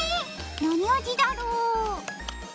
何味だろう？